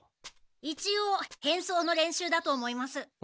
いちおう変装の練習だと思います。